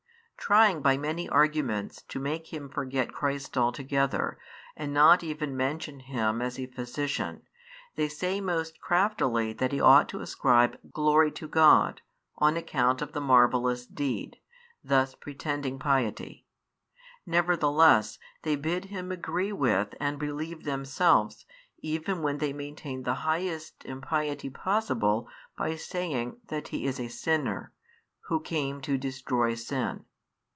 Trying by many arguments to make him forget Christ altogether, and not even mention Him as a Physician, they say most craftily that he ought to ascribe glory to God on account of the marvellous deed, thus pretending piety. Nevertheless they bid him agree with and believe themselves, even when they maintain the highest impiety possible by saying that He is a sinner, Who came to destroy sin.